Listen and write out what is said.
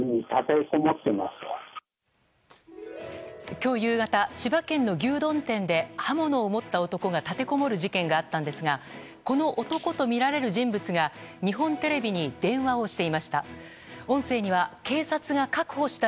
今日夕方、千葉県の牛丼店で刃物を持った男が立てこもる事件があったんですがこの男とみられる人物が日本テレビに電話をしていました。